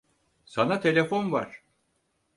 Sana telefon var.